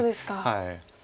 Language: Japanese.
はい。